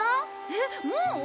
えっもう？